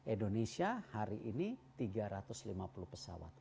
indonesia hari ini tiga ratus lima puluh pesawat